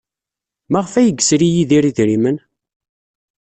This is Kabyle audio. Maɣef ay yesri Yidir idrimen?